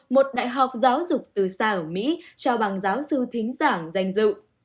một đại học giáo dục từ xa ở mỹ trao bằng giáo sư thính giảng danh dự